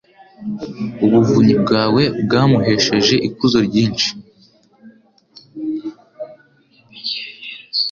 Ubuvunyi bwawe bwamuhesheje ikuzo ryinshi